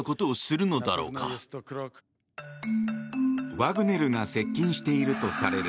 ワグネルが接近しているとされる